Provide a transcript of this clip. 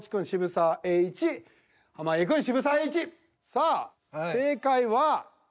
さあ正解は。